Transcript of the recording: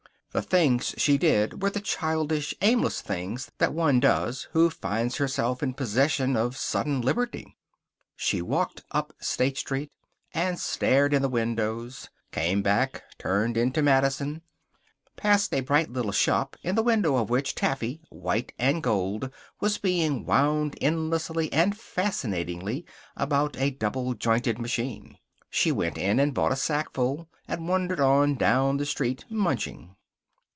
The things she did were the childish, aimless things that one does who finds herself in possession of sudden liberty. She walked up State Street, and stared in the windows; came back, turned into Madison, passed a bright little shop in the window of which taffy white and gold was being wound endlessly and fascinatingly about a double jointed machine. She went in and bought a sackful, and wandered on down the street, munching.